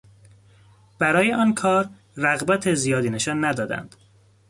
برای آن کار رغبت زیادی نشان ندادند.